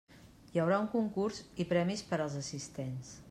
Hi haurà un concurs i premis per als assistents.